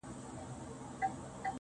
خدايه نری باران پرې وكړې.